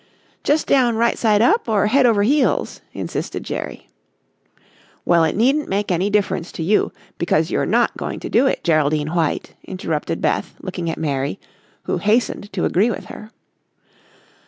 "Just down right side up or head over heels," insisted Jerry. "Well, it needn't make any difference to you, because you are not going to do it, Geraldine White," interrupted Beth, looking at Mary, who hastened to agree with her.